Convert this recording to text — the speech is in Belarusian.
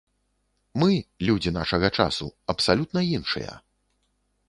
Мы, людзі нашага часу, абсалютна іншыя.